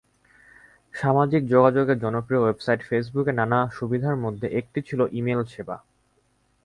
সামাজিক যোগাযোগের জনপ্রিয় ওয়েবসাইট ফেসবুকের নানা সুবিধার মধ্যে একটি ছিল ই-মেইল সেবা।